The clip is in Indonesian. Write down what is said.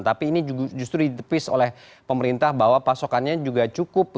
tapi ini justru ditepis oleh pemerintah bahwa pasokannya juga cukup